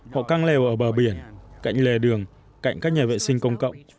họ căng lều ở bờ biển cạnh lề đường cạnh các nhà vệ sinh công cộng